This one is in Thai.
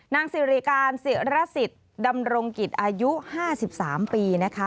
นางสิริการศิรสิทธิ์ดำรงกิจอายุ๕๓ปีนะคะ